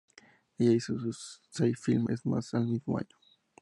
Ella hizo seis filmes más el mismo año.